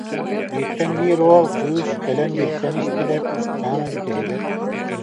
Бииртэн биир уол, кыыс кэлэн билсэн истилэр, саамай бүтэһигэр: